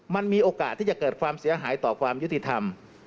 มันมีโอกาสที่จะเกิดความเสียหายต่อความยุติธรรม